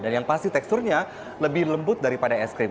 dan yang pasti teksturnya lebih lembut daripada es krim